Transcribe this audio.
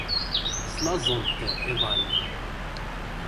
Slaẓent iḍan.